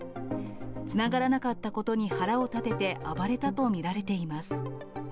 つながらなかったことに腹を立てて暴れたと見られています。